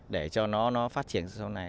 để cho nó phát triển sau này